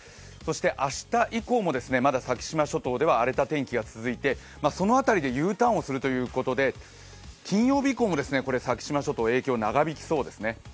明日以降もまだ先島諸島では荒れた天気が続いてその辺りでＵターンをするということで金曜日以降も先島諸島、影響が長引きそうですね